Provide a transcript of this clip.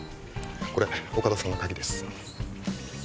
これ大加戸さんの鍵です